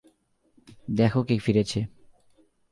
দেখো কে ফিরেছে।